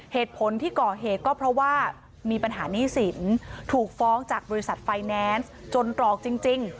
เหตุผลที่ก่อเหตุก็เพราะว่ามีปัญหาหนี้สินถูกฟ้องจากบริษัทไฟแนนซ์จนตรอกจริง